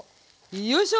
よいしょ。